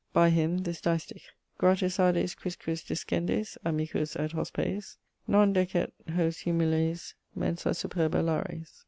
By him, this distich: Gratus ades quisquis descendis, amicus et hospes: Non decet hos humiles mensa superba Lares.